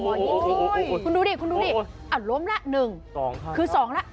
โอ้โหคุณดูสิอ่ะล้มละหนึ่งคือสองละ